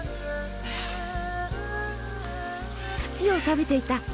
土を食べていた